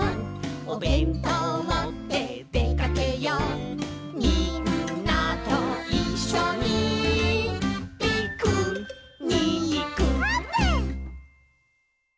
「おべんとうもってでかけよう」「みんなといっしょにピクニック」あーぷん。